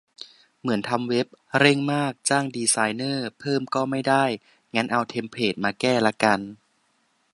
เหมือนทำเว็บ เร่งมาก จ้างดีไซเนอร์เพิ่มก็ไม่ได้ งั้นเอาเทมเพลตมาแก้ละกัน